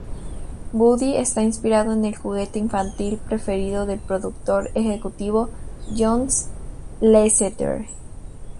Woody está inspirado en el juguete infantil preferido del productor ejecutivo John Lasseter.